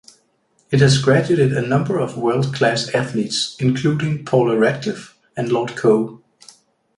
It has graduated a number of world-class athletes including Paula Radcliffe and Lord Coe.